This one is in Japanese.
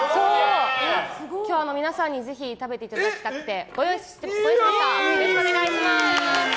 今日も皆さんにぜひ食べていただきたくてご用意しました！